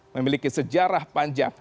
memiliki sejarah panjang